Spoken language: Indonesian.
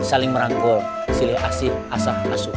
saling merangkul silih asih asah masuk